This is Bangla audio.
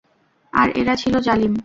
আর এরা ছিল জালিম।